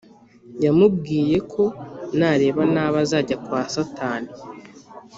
yamubwiyeko nareba nabi azajya kwa satani